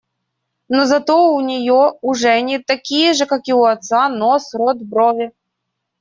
Но зато у нее, у Жени, такие же, как у отца, нос, рот, брови.